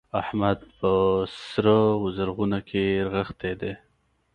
احمد په سره و زرغونه کې رغښتی دی.